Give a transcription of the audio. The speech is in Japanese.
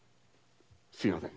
すみません。